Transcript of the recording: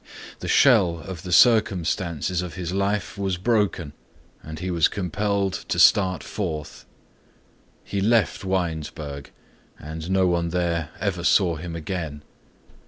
The shell of the circumstances of his life was broken and he was compelled to start forth. He left Winesburg and no one there ever saw him again.